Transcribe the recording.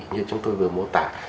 như chúng tôi vừa mô tả